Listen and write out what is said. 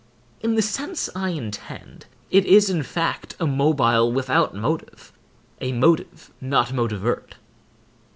In the sense I intend, it is, in fact, a mobile without motive, a motive not motivirt.